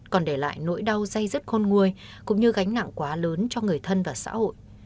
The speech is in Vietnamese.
còn để lại nỗi đau dây dứt khôn nguôi cũng như gánh nặng quá lớn cho người thân và xã hội